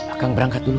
akang berangkat dulu